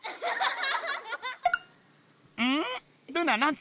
ん？